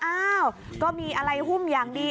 อ้าวก็มีอะไรหุ้มอย่างดี